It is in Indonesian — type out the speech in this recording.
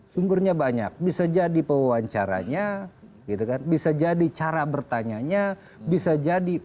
sungguhnya banyak bisa jadi pewawancaranya bisa jadi cara bertanya nya bisa jadi